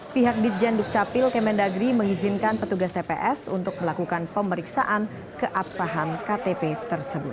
pihak ditjen dukcapil kemendagri mengizinkan petugas tps untuk melakukan pemeriksaan keabsahan ktp tersebut